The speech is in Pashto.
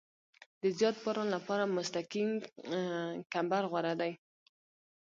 د زیات باران لپاره مستقیم کمبر غوره دی